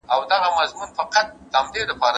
په ښکاره یې اخیستله رشوتونه